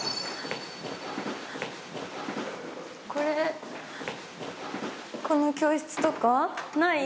これこの教室とかない？